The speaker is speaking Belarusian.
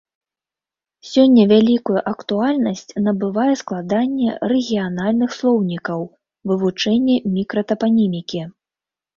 Сёння вялікую актуальнасць набывае складанне рэгіянальных слоўнікаў, вывучэнне мікратапанімікі.